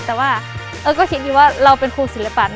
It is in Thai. แต่ว่าก็คิดอยู่ว่าเราเป็นครูศิลปะ